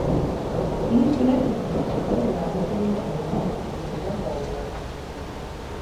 Īsti nesapratu par ko grāmata bija ieguvusi divus apbalvojumus.